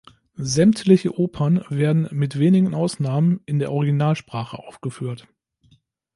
Sämtliche Opern werden, mit wenigen Ausnahmen, in der Originalsprache aufgeführt.